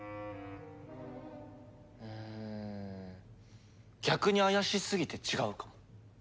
うーん逆に怪しすぎて違うかも。